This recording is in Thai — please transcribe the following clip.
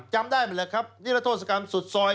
จำได้หมดแหละครับนิรโทษกรรมสุดซอย